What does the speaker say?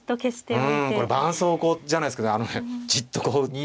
うんこればんそうこうじゃないですけどあのねじっとこう打って。